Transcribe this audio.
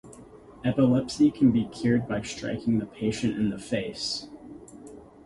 Epilepsy can be cured by striking the patient on the face.